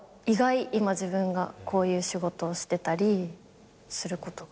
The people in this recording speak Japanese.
今自分がこういう仕事をしてたりすることが。